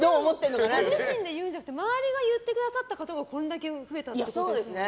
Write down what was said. ご自身で言うんじゃなくて周りで言ってくださった方がこれだけ増えたということですよね。